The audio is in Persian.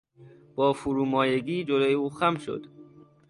با فرومایگی جلو او خم شد.